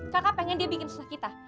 kakak pengen dia bikin susah kita